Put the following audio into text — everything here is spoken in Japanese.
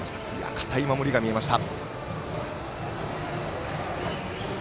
堅い守りが見えました。